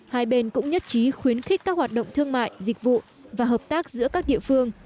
hai bên cũng nhất trí khuyến khích các hoạt động thương mại dịch vụ và hợp tác giữa các địa phương